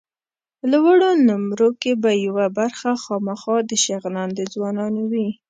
لوړو نومرو کې به یوه برخه خامخا د شغنان د ځوانانو وي.